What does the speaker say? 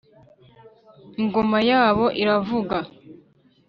ingoma yabo iravuga,